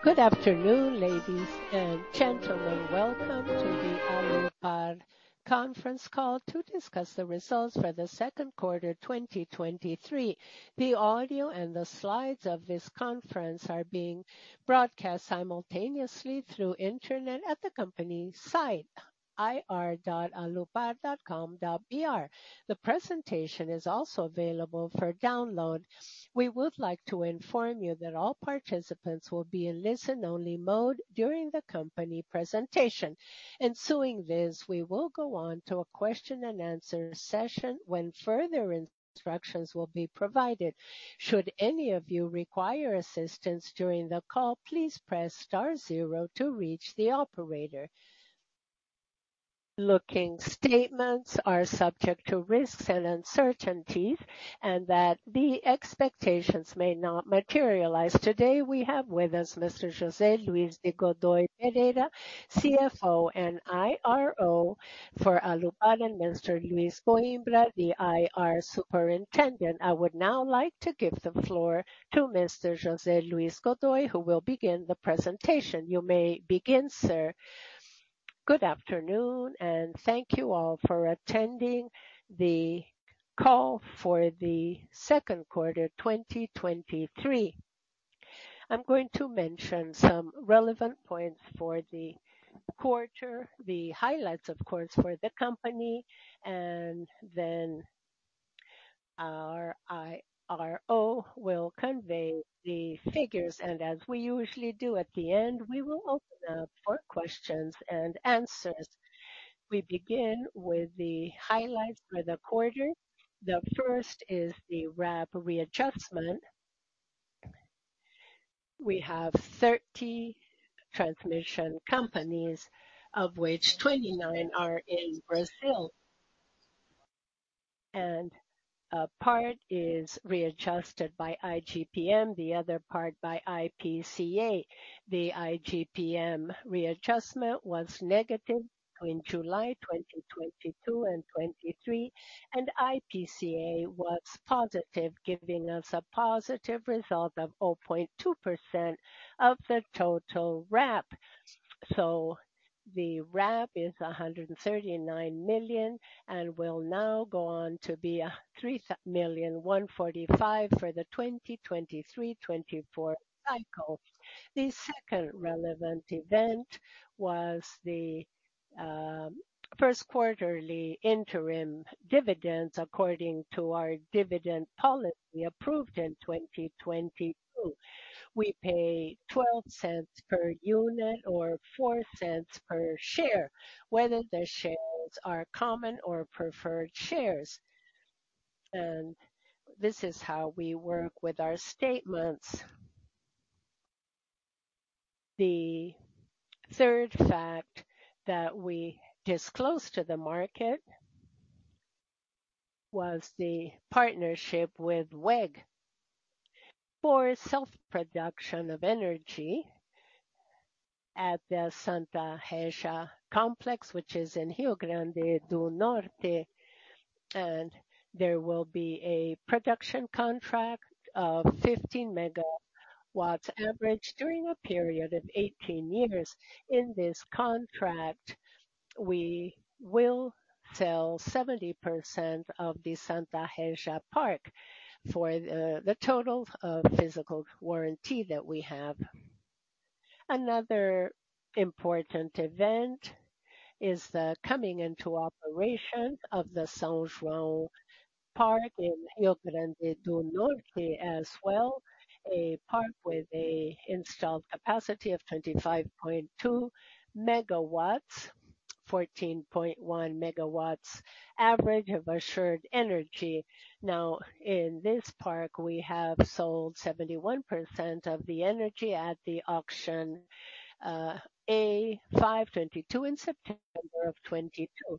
Good afternoon, ladies and gentlemen. Welcome to the Alupar conference call to discuss the results for the second quarter, 2023. The audio and the slides of this conference are being broadcast simultaneously through internet at the company site, ri.alupar.com.br. The presentation is also available for download. We would like to inform you that all participants will be in listen-only mode during the company presentation. Ensuing this, we will go on to a question-and-answer session when further instructions will be provided. Should any of you require assistance during the call, please press star zero to reach the operator. Looking statements are subject to risks and uncertainties, and that the expectations may not materialize. Today, we have with us Mr. José Luiz de Godoy Pereira, CFO and IRO for Alupar, and Mr. Luiz Coimbra, the IR Superintendent. I would now like to give the floor to Mr. José Luiz Godoy, who will begin the presentation. You may begin, sir. Good afternoon, and thank you all for attending the call for the second quarter, 2023. I'm going to mention some relevant points for the quarter, the highlights, of course, for the company, and then our IRO will convey the figures, and as we usually do at the end, we will open up for questions and answers. We begin with the highlights for the quarter. The first is the RAP readjustment. We have 30 transmission companies, of which 29 are in Brazil, and a part is readjusted by IGPM, the other part by IPCA. The IGPM readjustment was negative in July 2022 and 2023, and IPCA was positive, giving us a positive result of 0.2% of the total RAP. The RAP is 139 million and will now go on to be 3,145,000 for the 2023-2024 cycle. The second relevant event was the first quarterly interim dividends according to our dividend policy approved in 2022. We pay 0.12 per unit or 0.04 per share, whether the shares are common or preferred shares, and this is how we work with our statements. The third fact that we disclosed to the market was the partnership with WEG for self-production of energy at the Santa Régia complex, which is in Rio Grande do Norte, and there will be a production contract of 15 MW average during a period of 18 years. In this contract, we will sell 70% of the Santa Régia Park for the total physical warranty that we have. Another important event is the coming into operation of the São João Park in Rio Grande do Norte as well, a park with a installed capacity of 25.2 megawatts, 14.1 megawatts average of assured energy. Now, in this park, we have sold 71% of the energy at the auction, A-5/22 in September of 2022.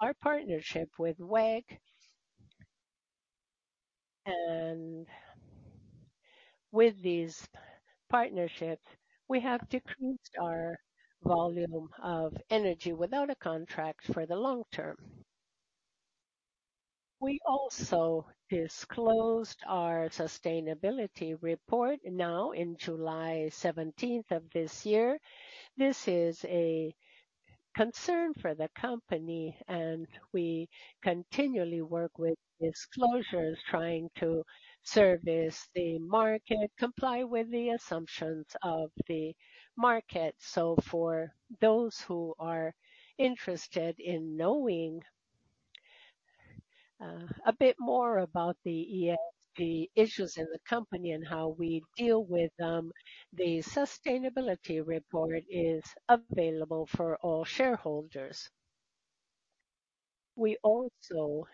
Our partnership with WEG... With these partnerships, we have decreased our volume of energy without a contract for the long term. We also disclosed our sustainability report now in July 17th of this year. This is a concern for the company, and we continually work with disclosures, trying to service the market, comply with the assumptions of the market. For those who are interested in knowing a bit more about the ESG, the issues in the company and how we deal with them, the sustainability report is available for all shareholders. We also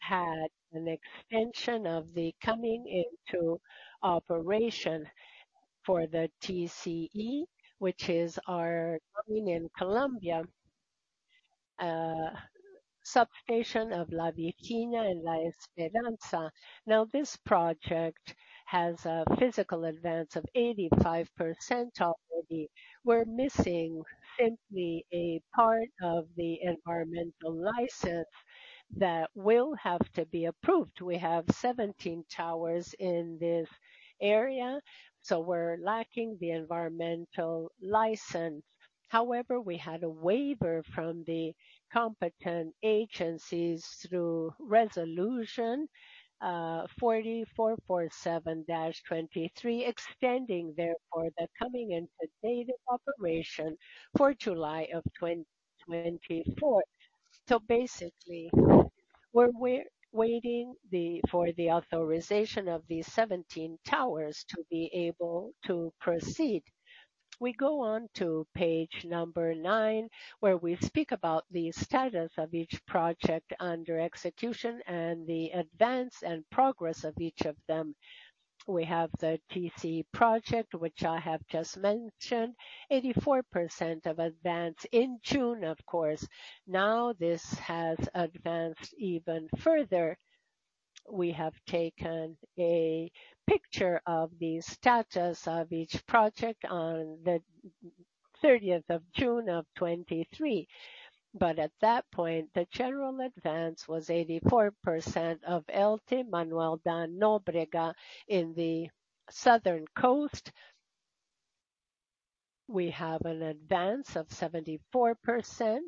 had an extension of the coming into operation for the TCE, which is our company in Colombia, substation of La Virginia and La Esperanza. This project has a physical advance of 85% already. We're missing simply a part of the environmental license that will have to be approved. We have 17 towers in this area, we're lacking the environmental license. However, we had a waiver from the competent agencies through Resolution 4447/2023, extending therefore, the coming into date of operation for July 2024. Basically, we're waiting for the authorization of these 17 towers to be able to proceed. We go on to page number 9, where we speak about the status of each project under execution and the advance and progress of each of them. We have the TCE project, which I have just mentioned, 84% of advance in June, of course. Now, this has advanced even further. We have taken a picture of the status of each project on the 30th of June of 2023, but at that point, the general advance was 84% of ET Manoel da Nóbrega in the southern coast. We have an advance of 74%,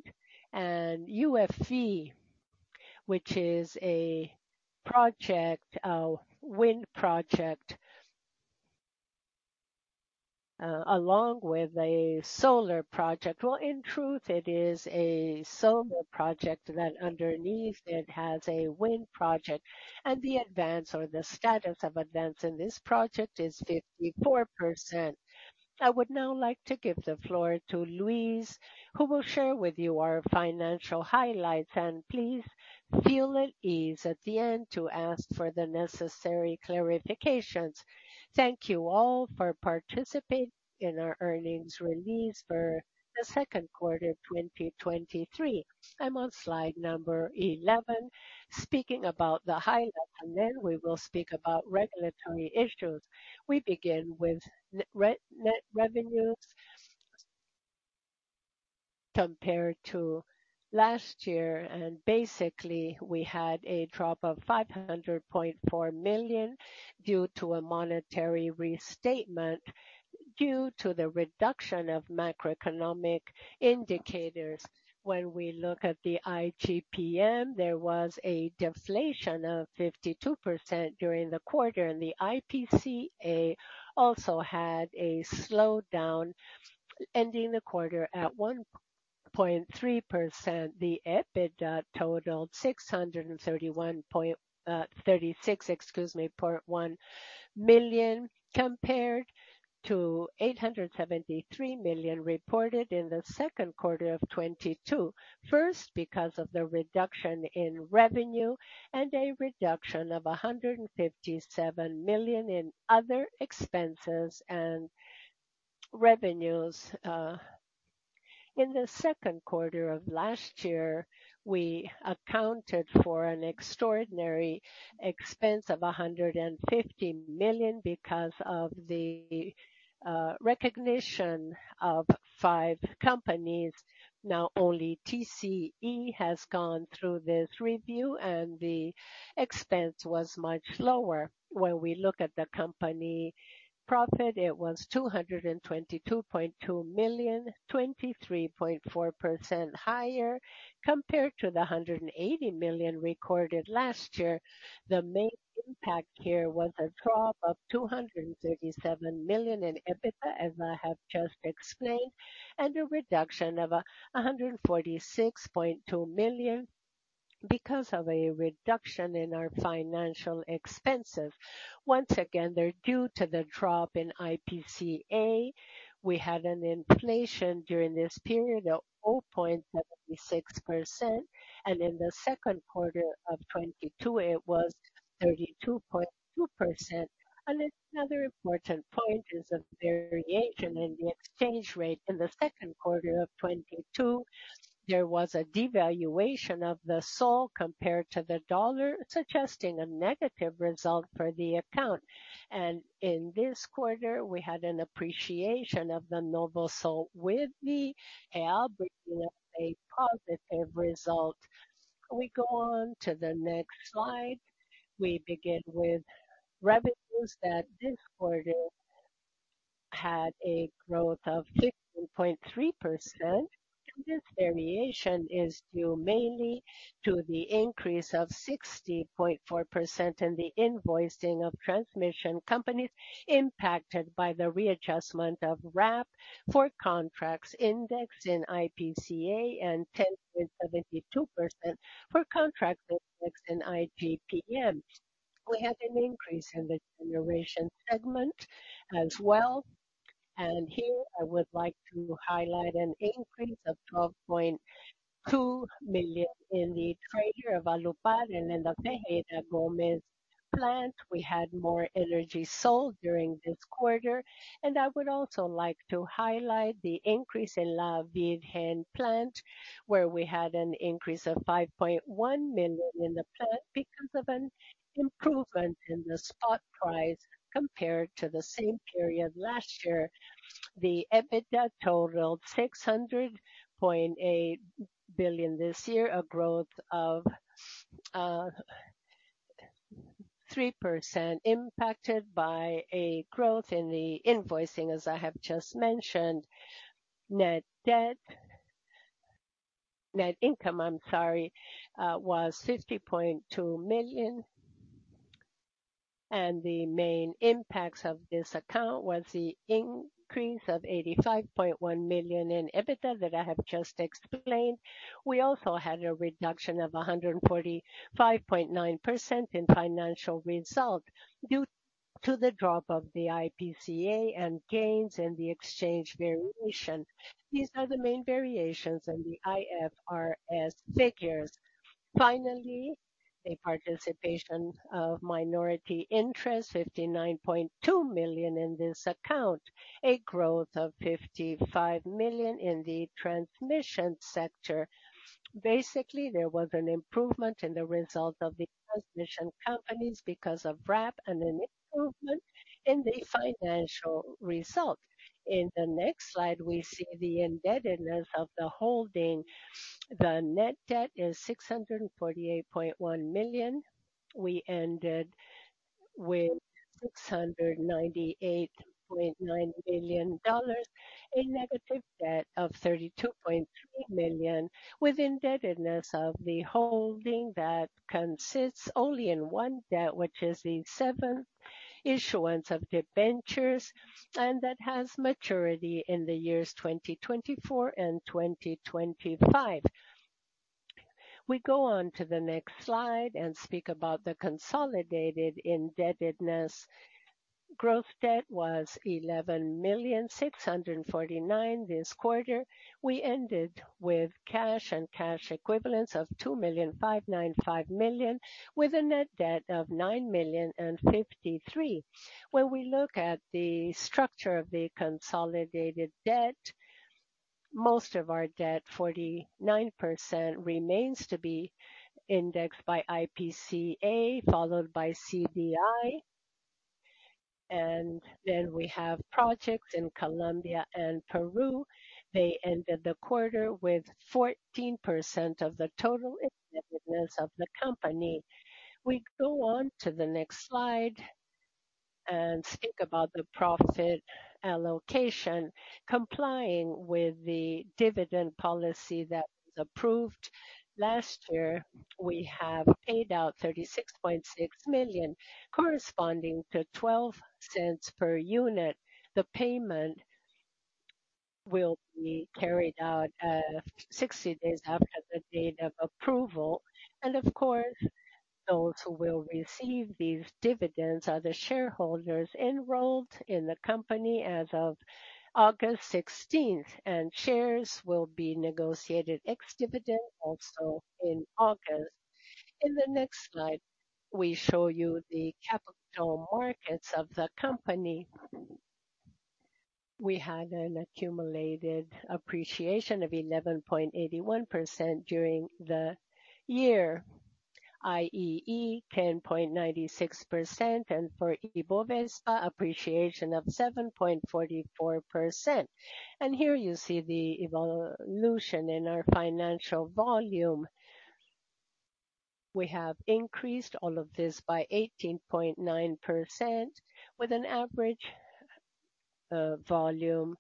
and UFE, which is a project, a wind project, along with a solar project. Well, in truth, it is a solar project that underneath it has a wind project, and the advance or the status of advance in this project is 54%. I would now like to give the floor to Luiz, who will share with you our financial highlights, and please feel at ease at the end to ask for the necessary clarifications. Thank you all for participating in our earnings release for the second quarter, 2023. I'm on slide number 11, speaking about the highlights, and then we will speak about regulatory issues. We begin with net revenues compared to last year, and basically, we had a drop of 500.4 million due to a monetary restatement, due to the reduction of macroeconomic indicators. When we look at the IGPM, there was a deflation of 52% during the quarter, and the IPCA also had a slowdown, ending the quarter at 1.3%. The EBITDA totaled 631.1 million, compared to 873 million reported in the second quarter of 2022. First, because of the reduction in revenue and a reduction of 157 million in other expenses and revenues. In the second quarter of last year, we accounted for an extraordinary expense of 150 million because of the recognition of 5 companies. Now, only TCE has gone through this review, and the expense was much lower. When we look at the company profit, it was 222.2 million, 23.4% higher compared to 180 million recorded last year. The main impact here was a drop of 237 million in EBITDA, as I have just explained, a reduction of 146.2 million because of a reduction in our financial expenses. Once again, they're due to the drop in IPCA. We had an inflation during this period of 0.76%, and in 2Q22, it was 32.2%. Another important point is a variation in the exchange rate. In 2Q22, there was a devaluation of the sol compared to the dollar, suggesting a negative result for the account. In this quarter, we had an appreciation of the Peruvian Sol with the help, bringing a positive result. We go on to the next slide. We begin with revenues that this quarter had a growth of 16.3%. This variation is due mainly to the increase of 60.4% in the invoicing of transmission companies, impacted by the readjustment of RAP for contracts indexed in IPCA and 10.72% for contracts indexed in IGPM. We had an increase in the generation segment as well. Here I would like to highlight an increase of 12.2 million in the Trader Valopar, and in the Ferreira Gomes plant, we had more energy sold during this quarter. I would also like to highlight the increase in La Virgen plant, where we had an increase of 5.1 million in the plant because of an improvement in the spot price compared to the same period last year. The EBITDA totaled 600.8 billion this year, a growth of 3%, impacted by a growth in the invoicing, as I have just mentioned. Net debt... Net income, I'm sorry, was 60.2 million. The main impacts of this account was the increase of 85.1 million in EBITDA that I have just explained. We also had a reduction of 145.9% in financial result due to the drop of the IPCA and gains in the exchange variation. These are the main variations in the IFRS figures. Finally, a participation of minority interest, 59.2 million in this account, a growth of 55 million in the transmission sector. Basically, there was an improvement in the result of the transmission companies because of RAP and an improvement in the financial result. In the next slide, we see the indebtedness of the holding. The net debt is 648.1 million. We ended with BRL 698.9 million, a negative debt of 32.3 million, with indebtedness of the holding that consists only in one debt, which is the seventh issuance of debentures, and that has maturity in the years 2024 and 2025. We go on to the next slide and speak about the consolidated indebtedness. Growth debt was 11,649 million this quarter. We ended with cash and cash equivalents of 2,595 million, with a net debt of 9,053 million. When we look at the structure of the consolidated debt, most of our debt, 49%, remains to be indexed by IPCA, followed by CDI. We have projects in Colombia and Peru. They ended the quarter with 14% of the total indebtedness of the company. We go on to the next slide and speak about the profit allocation. Complying with the dividend policy that was approved last year, we have paid out 36.6 million, corresponding to 0.12 per unit. The payment will be carried out 60 days after the date of approval, and of course, those who will receive these dividends are the shareholders enrolled in the company as of August 16th, and shares will be negotiated ex-dividend also in August. In the next slide, we show you the capital markets of the company. We had an accumulated appreciation of 11.81% during the year, i.e., 10.96%, and for IBOVESPA, appreciation of 7.44%. Here you see the evolution in our financial volume. We have increased all of this by 18.9%, with an average volume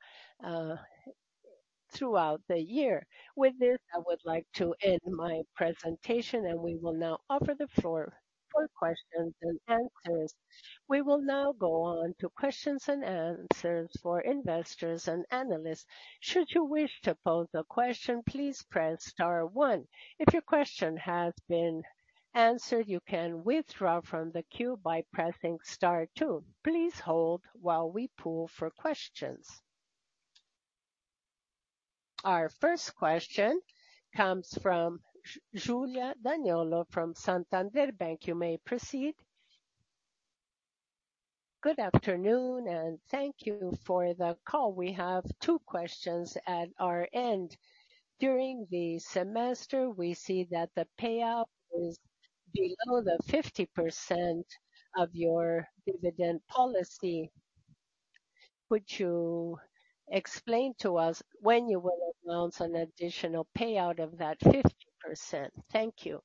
throughout the year. With this, I would like to end my presentation, and we will now offer the floor for questions and answers. We will now go on to questions and answers for investors and analysts. Should you wish to pose a question, please press star one. If your question has been answered, you can withdraw from the queue by pressing star two. Please hold while we pool for questions. Our first question comes from Julia Donello from Santander Bank. You may proceed. Good afternoon, and thank you for the call. We have two questions at our end. During the semester, we see that the payout is below the 50% of your dividend policy. Would you explain to us when you will announce an additional payout of that 50%? Thank you.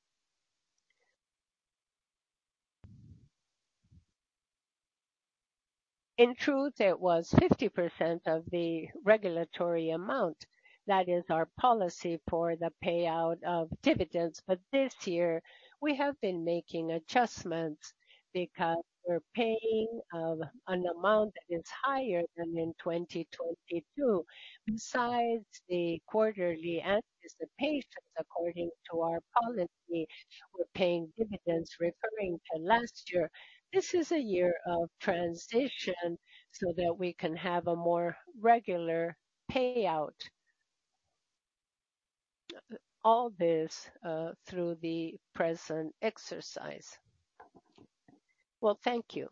In truth, it was 50% of the regulatory amount. That is our policy for the payout of dividends. This year, we have been making adjustments because we're paying an amount that is higher than in 2022. Besides the quarterly anticipations, according to our policy, we're paying dividends referring to last year. This is a year of transition so that we can have a more regular payout.... all this through the present exercise. Well, thank you.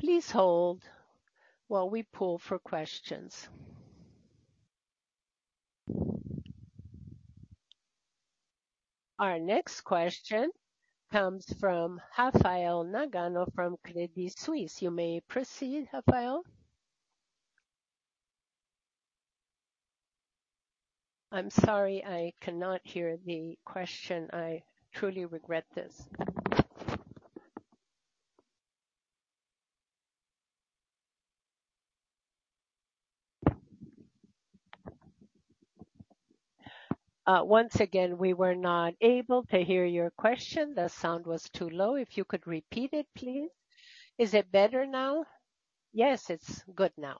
Please hold while we pull for questions. Our next question comes from Rafael Nagano from Credit Suisse. You may proceed, Rafael. I'm sorry, I cannot hear the question. I truly regret this. Once again, we were not able to hear your question. The sound was too low. If you could repeat it, please. Is it better now? Yes, it's good now.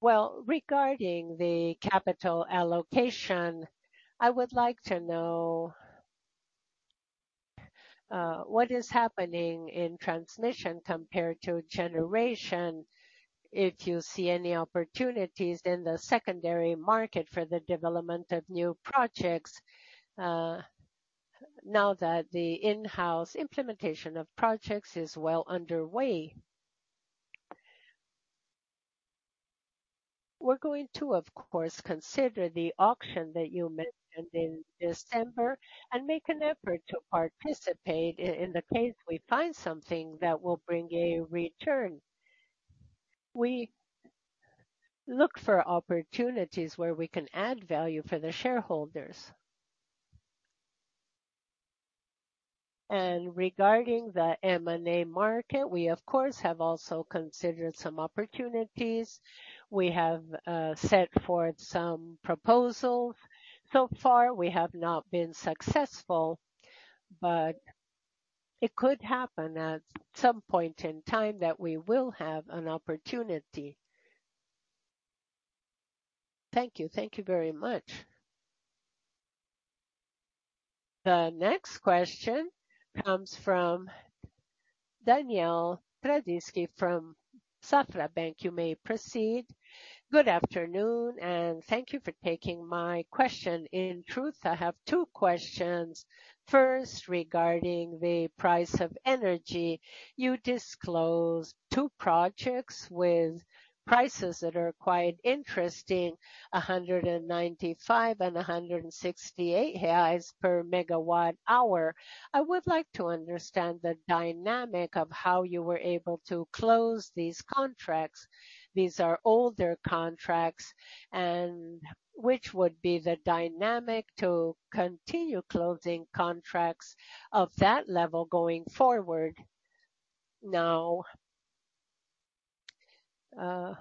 Well, regarding the capital allocation, I would like to know what is happening in transmission compared to generation, if you see any opportunities in the secondary market for the development of new projects, now that the in-house implementation of projects is well underway? We're going to, of course, consider the auction that you mentioned in December and make an effort to participate in the case we find something that will bring a return. We look for opportunities where we can add value for the shareholders. Regarding the M&A market, we of course, have also considered some opportunities. We have set forth some proposals. So far, we have not been successful, but it could happen at some point in time that we will have an opportunity. Thank you. Thank you very much. The next question comes from Daniel Travitzky from Safra Bank. You may proceed. Good afternoon, and thank you for taking my question. In truth, I have two questions. First, regarding the price of energy, you disclosed two projects with prices that are quite interesting, 195 and 168 per megawatt hour. I would like to understand the dynamic of how you were able to close these contracts. These are older contracts, which would be the dynamic to continue closing contracts of that level going forward? Now,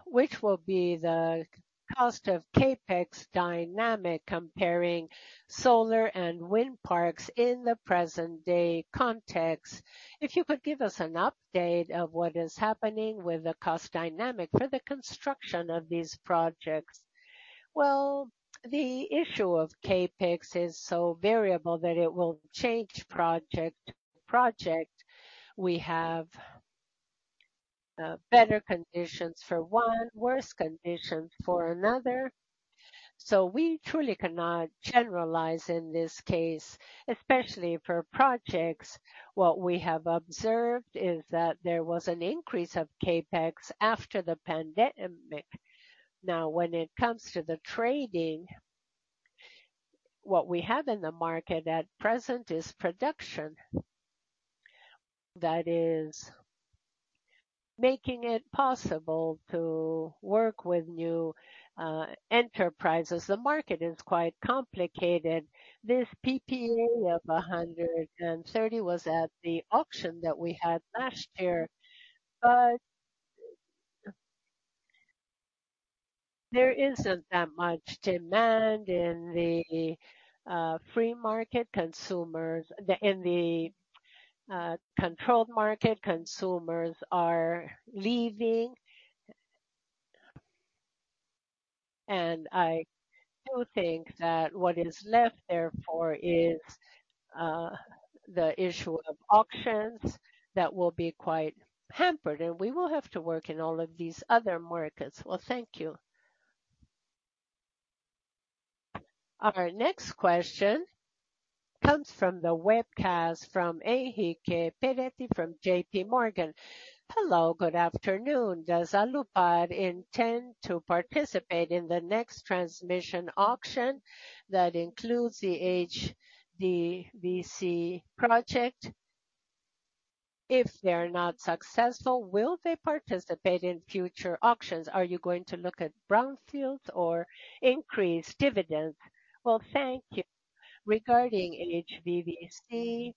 which will be the cost of CapEx dynamic comparing solar and wind parks in the present day context? If you could give us an update of what is happening with the cost dynamic for the construction of these projects. Well, the issue of CapEx is so variable that it will change project to project. We have better conditions for one, worse conditions for another, so we truly cannot generalize in this case, especially for projects. What we have observed is that there was an increase of CapEx after the pandemic. When it comes to the trading, what we have in the market at present is production that is making it possible to work with new enterprises. The market is quite complicated. This PPA of 130 was at the auction that we had last year, but there isn't that much demand in the free market. In the controlled market, consumers are leaving. I do think that what is left therefore is the issue of auctions that will be quite hampered, and we will have to work in all of these other markets. Well, thank you. Our next question comes from the webcast, from Henrique Peretti from J.P. Morgan. Hello, good afternoon. Does Alupar intend to participate in the next transmission auction that includes the HVDC project? If they're not successful, will they participate in future auctions? Are you going to look at brownfields or increase dividends? Well, thank you. Regarding HVDC,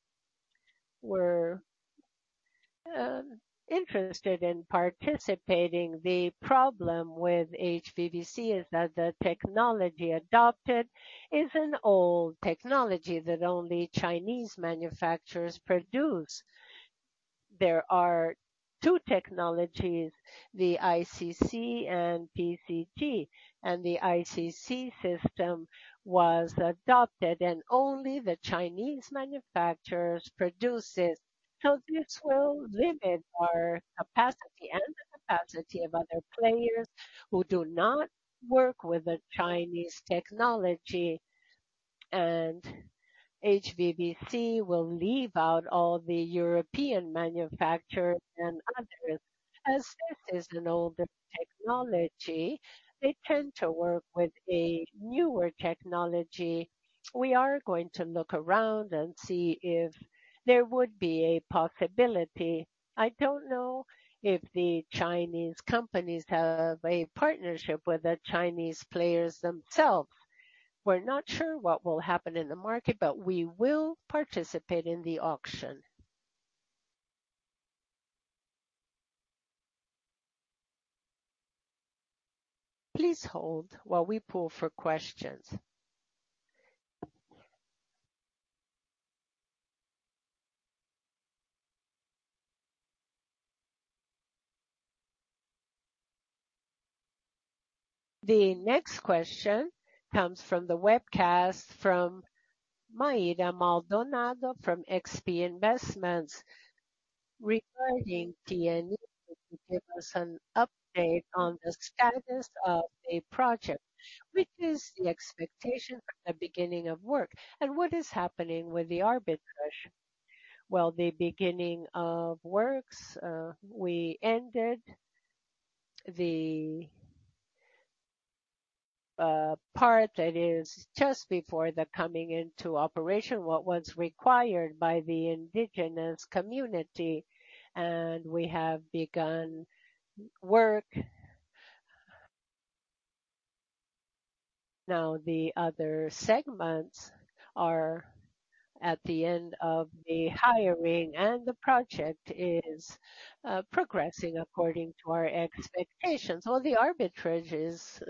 we're interested in participating. The problem with HVDC is that the technology adopted is an old technology that only Chinese manufacturers produce. There are two technologies, the LCC and VSC, and the LCC system was adopted and only the Chinese manufacturers produce it. This will limit our capacity and the capacity of other players who do not work with the Chinese technology. HVDC will leave out all the European manufacturers and others. As this is an older technology, they tend to work with a newer technology. We are going to look around and see if there would be a possibility. I don't know if the Chinese companies have a partnership with the Chinese players themselves. We're not sure what will happen in the market, but we will participate in the auction. Please hold while we pull for questions. The next question comes from the webcast from Maira Maldonado from XP Investimentos. Regarding TCE, could you give us an update on the status of the project? What is the expectation for the beginning of work, and what is happening with the arbitrage? Well, the beginning of works, we ended the part that is just before the coming into operation, what was required by the indigenous community, and we have begun work. Now, the other segments are at the end of the hiring, and the project is progressing according to our expectations. The arbitrage is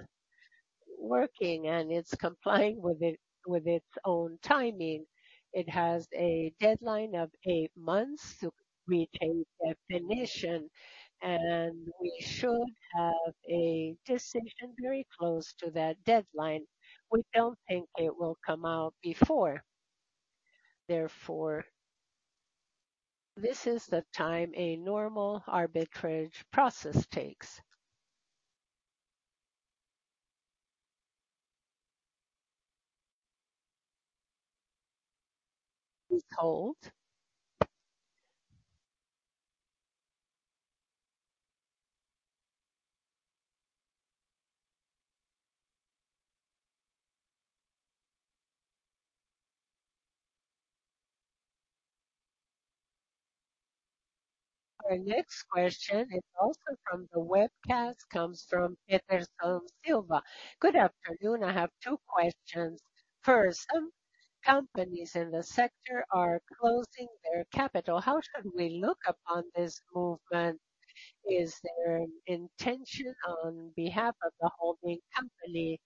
working, and it's complying with it, with its own timing. It has a deadline of 8 months to retain definition, and we should have a decision very close to that deadline. We don't think it will come out before, therefore, this is the time a normal arbitrage process takes. Please hold. Our next question is also from the webcast, comes from Peterson Silva. Good afternoon. I have 2 questions. First, some companies in the sector are closing their capital. How should we look upon this movement? Is there an intention on behalf of the holding company?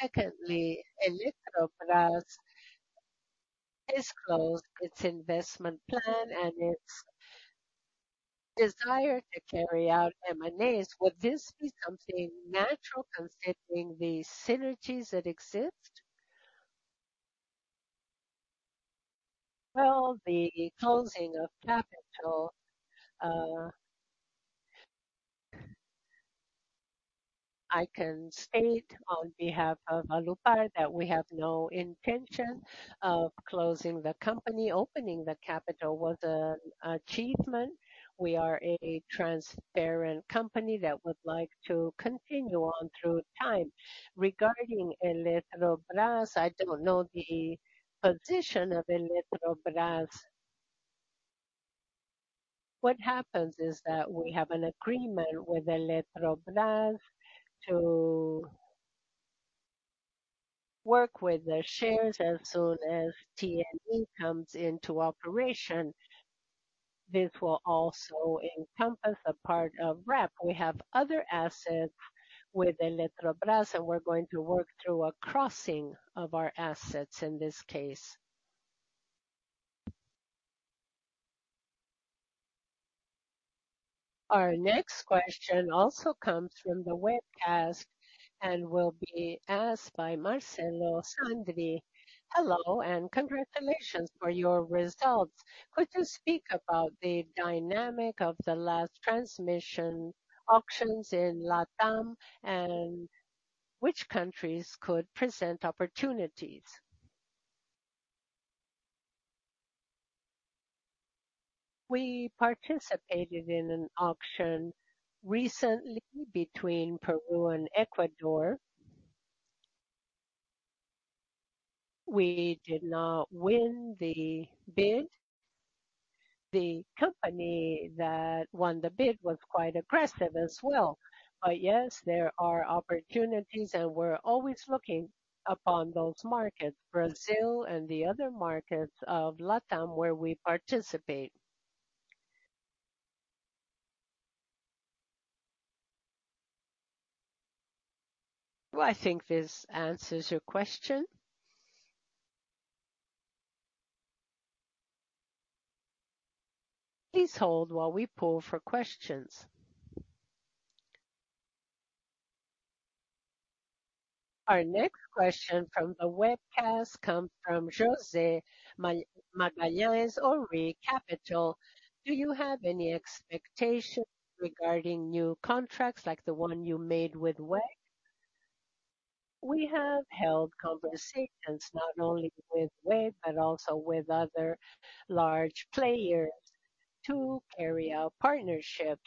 Secondly, Eletrobras has closed its investment plan and its desire to carry out M&As. Would this be something natural, considering the synergies that exist? The closing of capital, I can state on behalf of Alupar that we have no intention of closing the company. Opening the capital was an achievement. We are a transparent company that would like to continue on through time. Regarding Eletrobras, I don't know the position of Eletrobras. What happens is that we have an agreement with Eletrobras to work with the shares, and so as TNE comes into operation, this will also encompass a part of RAP. We have other assets with Eletrobras, and we're going to work through a crossing of our assets in this case. Our next question also comes from the webcast and will be asked by Marcelo Sá. Hello, congratulations for your results. Could you speak about the dynamic of the last transmission auctions in LATAM, and which countries could present opportunities? We participated in an auction recently between Peru and Ecuador. We did not win the bid. The company that won the bid was quite aggressive as well. Yes, there are opportunities, and we're always looking upon those markets, Brazil and the other markets of LATAM, where we participate. I think this answers your question. Please hold while we poll for questions. Our next question from the webcast comes from José Magalhães, Ória Capital. Do you have any expectations regarding new contracts like the one you made with WEG? We have held conversations not only with WEG, but also with other large players to carry out partnership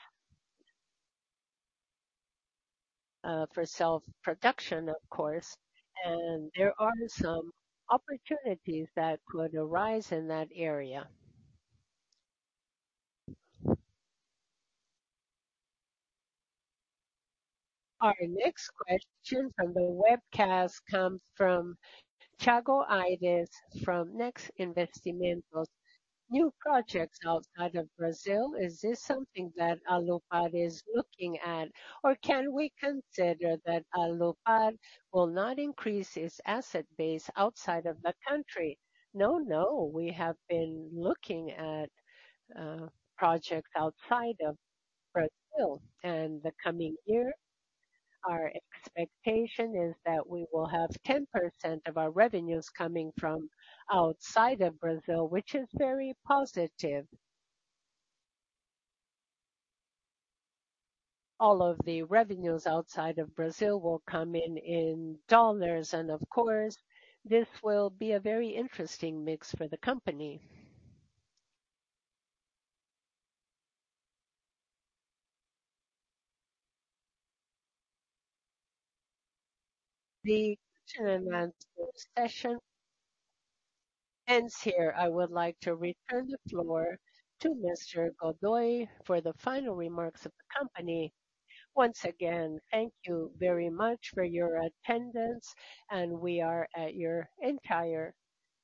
for self-production, of course, and there are some opportunities that could arise in that area. Our next question from the webcast comes from Tiago Almorim, from NECTON Investimentos. New projects outside of Brazil, is this something that Alupar is looking at, or can we consider that Alupar will not increase its asset base outside of the country? No, no. We have been looking at projects outside of Brazil. The coming year, our expectation is that we will have 10% of our revenues coming from outside of Brazil, which is very positive. All of the revenues outside of Brazil will come in, in dollars. Of course, this will be a very interesting mix for the company. The question and answer session ends here. I would like to return the floor to Mr. Godoy for the final remarks of the company. Once again, thank you very much for your attendance. We are at your entire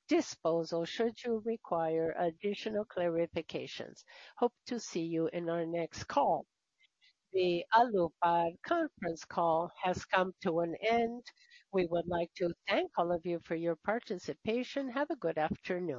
disposal should you require additional clarifications. Hope to see you in our next call. The Alupar conference call has come to an end. We would like to thank all of you for your participation. Have a good afternoon.